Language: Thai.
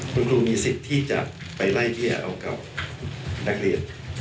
คุณครูมีสิทธิ์ที่จะไปไล่เลี่ยเอากับนักเรียน